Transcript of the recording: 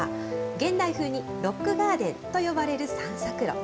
現代風にロックガーデンと呼ばれる散策路。